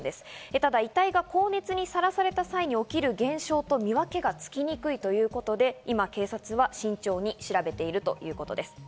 ただ、遺体が高熱にさらされた際に起きる現象と見分けがつきにくいということで、今、警察は慎重に調べているということです。